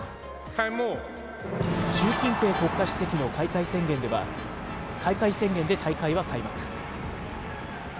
習近平国家主席の開会宣言で大会は開幕。